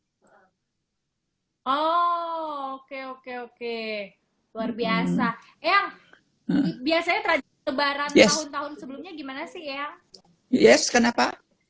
oke oke oke oke oke luar biasa biasanya tersebaran sebulunya gimana sih ya yes kenapa